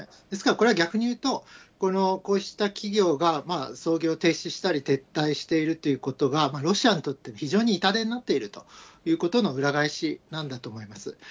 ですからこれは逆にいうと、こうした企業が操業停止したり、撤退しているということが、ロシアにとって非常に痛手になっているということの裏返しなんだと思います。